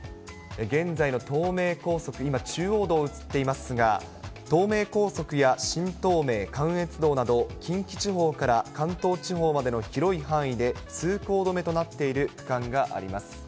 現在の東名高速、今、中央道、映っていますが、東名高速や新東名、関越道など、近畿地方から関東地方までの広い範囲で、通行止めとなっている区間があります。